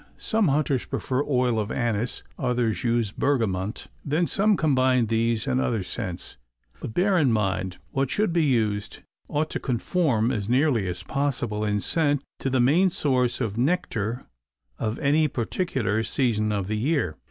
Some hunters prefer oil of anise, others use bergamont; then some combine these or other scents. But bear in mind that what should be used ought to conform as nearly as possible in scent to the main source of nectar at any particular season of the year.